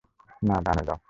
না, - ডানে যাও।